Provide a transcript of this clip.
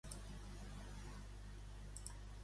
Em posaries el tema que m'encanti?